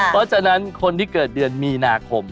เพราะฉะนั้นคนที่เกิดเดือนมีนาคม